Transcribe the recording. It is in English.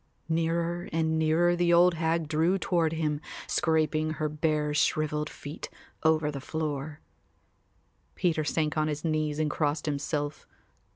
Nearer and nearer the old hag drew toward him, scraping her bare shrivelled feet over the floor. Peter sank on his knees and crossed himself.